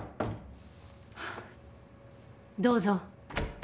どうぞ。